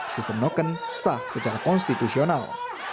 sistem noken sah secara konstitusional